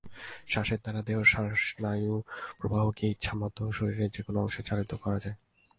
শ্বাসের দ্বারা দেহের স্নায়ুপ্রবাহকে ইচ্ছামত শরীরের যে কোন অংশে চালিত করা যায়।